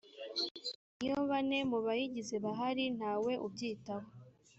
iyo bane mu bayigize bahari ntawe ubyitaho